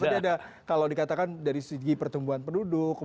karena tadi ada kalau dikatakan dari segi pertumbuhan penduduk